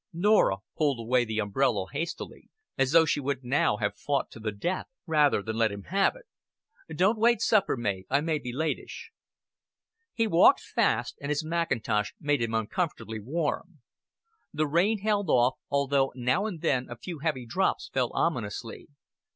Norah pulled away the umbrella hastily, as though she would now have fought to the death rather than let him have it. "Don't wait supper, Mav. I may be latish." He walked fast, and his mackintosh made him uncomfortably warm. The rain held off, although now and then a few heavy drops fell ominously.